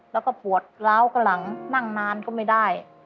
แล้วก็ปวดล้าวก็หลังนั่งนานก็ไม่ได้